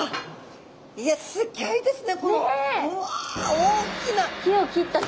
いやあすギョいですよね。